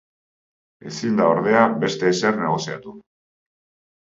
Ezin da ordea beste ezer negoziatu.